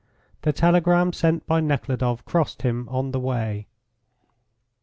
The telegram sent by Nekhludoff crossed him on the way.